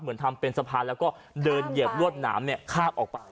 ทำเป็นสะพานแล้วก็เดินเหยียบรวดหนามข้ามออกไป